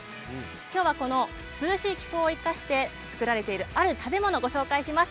今日は涼しい気候を生かして作られているある食べ物をご紹介します。